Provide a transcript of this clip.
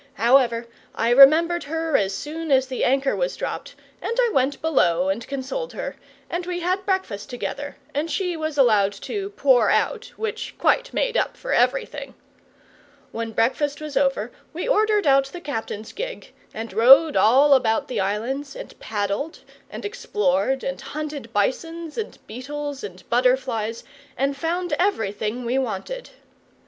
However, I remembered her as soon as the anchor was dropped, and I went below and consoled her, and we had breakfast together, and she was allowed to "pour out," which quite made up for everything. When breakfast was over we ordered out the captain's gig, and rowed all about the islands, and paddled, and explored, and hunted bisons and beetles and butterflies, and found everything we wanted.